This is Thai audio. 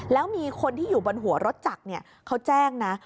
แล้วมีคนที่อยู่บนหัวรถจักรเขาแจ้งนะ